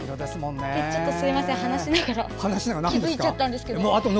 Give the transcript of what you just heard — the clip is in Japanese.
すみません、話しながら気付いちゃったんですけど。